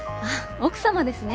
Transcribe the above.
奥様ですね。